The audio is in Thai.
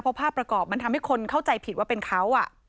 เพราะภาพประกอบมันทำให้คนเข้าใจผิดว่าเป็นเขา